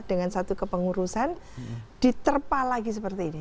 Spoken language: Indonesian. dengan satu kepengurusan diterpa lagi seperti ini